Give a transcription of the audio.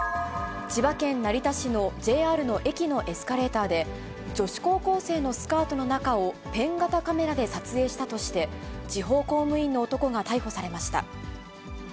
千葉県成田市のＪＲの駅のエスカレーターで、女子高校生のスカートの中をペン型カメラで撮影したとして、地方公務員の男が逮捕されました。